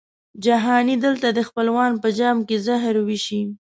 جهاني دلته دي خپلوان په جام کي زهر وېشي